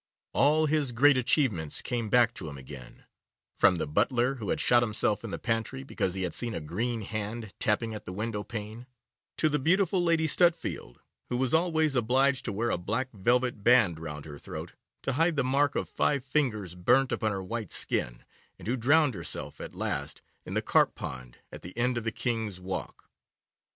All his great achievements came back to him again, from the butler who had shot himself in the pantry because he had seen a green hand tapping at the window pane, to the beautiful Lady Stutfield, who was always obliged to wear a black velvet band round her throat to hide the mark of five fingers burnt upon her white skin, and who drowned herself at last in the carp pond at the end of the King's Walk.